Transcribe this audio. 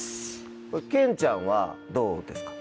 ケンちゃんはどうですか？